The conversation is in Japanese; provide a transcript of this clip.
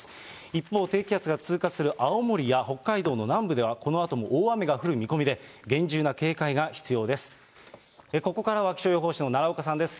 一方、低気圧が通過する青森や北海道の南部では、このあとも大雨が降る見込みで、厳重な警戒が必要です。